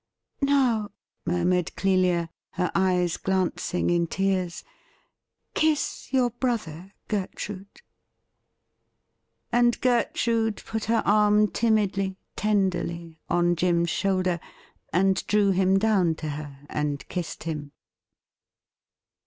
'Now,' murmured Clelia, her eyes glancing in tears, ' kiss your brother, Gertrude.' And Gertrude put her arm timidly, tenderly, on Jim's shoulder, and drew him down to her and kissed him.